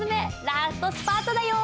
ラストスパートだよ！